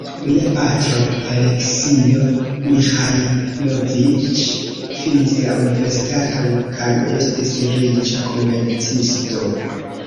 Lia patro "Aleksio Miĥajloviĉ" finis la universitaton kaj estis riĉa komercisto.